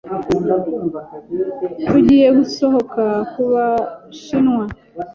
Tugiye gusohoka kubashinwa.